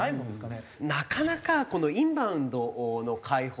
なかなかこのインバウンドの開放